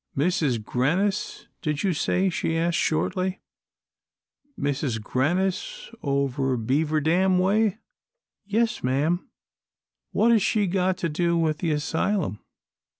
"Mrs. Grannis, did you say?" she asked, shortly. "Mrs. Grannis, over Beaver Dam way?" "Yes, ma'am." "What has she got to do with the asylum?"